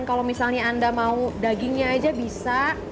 kalau misalnya anda mau dagingnya aja bisa